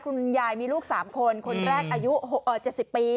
คุณยายมีลูก๓คนคนแรกอายุ๗๐ปี